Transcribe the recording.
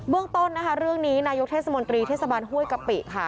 เรื่องต้นนะคะเรื่องนี้นายกเทศมนตรีเทศบาลห้วยกะปิค่ะ